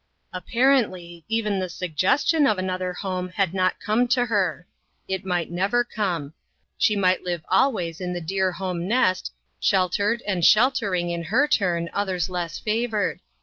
Apparently, even the suggestion of another home had not come to her. It might never come. She might live always in the dear 12 INTERRUPTED. home nest, sheltered, and sheltering, in her turn, others less favored.